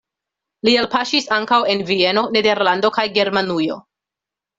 Li elpaŝis ankaŭ en Vieno, Nederlando kaj Germanujo.